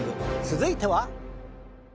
続いては。